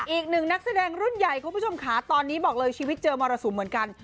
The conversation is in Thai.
อีกหนึ่งนักแสดงรุ่นใหญ่คุณผู้ชมค่ะตอนนี้บอกเลยชีวิตเจอมรสุมเหมือนกัน